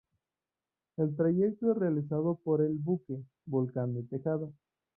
El trayecto es realizado por el buque "Volcán de Tejeda".